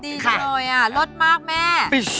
ดีจริงเลยลดมากแม่